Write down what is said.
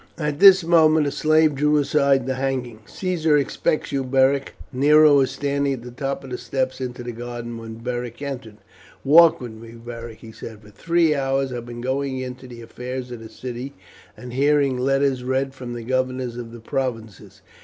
At this moment a slave drew aside the hanging: "Caesar expects you, Beric." Nero was standing at the top of the steps into the garden when Beric entered. "Walk with me, Beric," he said. "For three hours I have been going into the affairs of the city, and hearing letters read from the governors of the provinces.